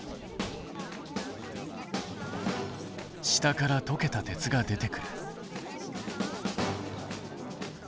下からとけた鉄が出てくる。